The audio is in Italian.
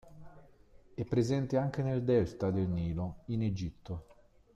È presente anche nel Delta del Nilo, in Egitto.